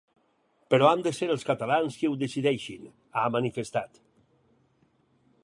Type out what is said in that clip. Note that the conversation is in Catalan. Però han de ser els catalans qui ho decideixin, ha manifestat.